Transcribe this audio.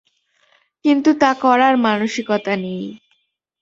কিন্তু তা করার মানসিকতা নেই!